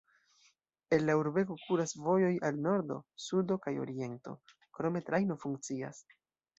El la urbego kuras vojoj al nordo, sudo kaj oriento, krome trajno funkcias.